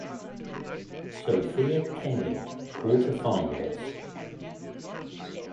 Sofia Kenin "(Quarterfinals)"